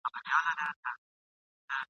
که په ځان هرڅومره غټ وو خو غویی وو !.